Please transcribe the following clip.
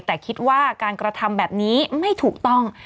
แต่คิดว่าการกระทำแบบนี้ไม่ถูกต้อง